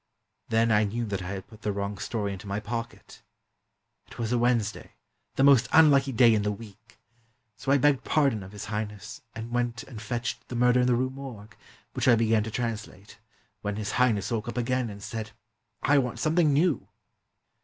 Then I knew that I had put the wrong story into my pocket. It was a Wednesday, the most unlucky day in the week; so I begged pardon of His Highness, and went and fetched ' The Murder in the Rue Morgue,' which I began to translate, when His Highness woke up again and said, ' I want something new